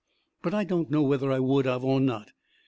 But I don't know whether I would of or not.